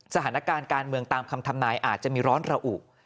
สถานการณ์การเมืองตามคำทำนายอาจจะมีร้อนระอุ